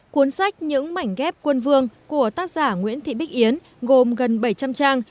cuốn sách những mảnh ghép quân vương của tác giả nguyễn thị bích yến gồm gần bảy trăm linh trang